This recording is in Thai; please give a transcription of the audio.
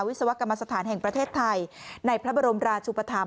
ศวกรรมสถานแห่งประเทศไทยในพระบรมราชุปธรรม